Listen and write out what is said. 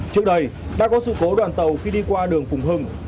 trước đây đã có sự cố đoàn tàu khi đi qua đường phùng hưng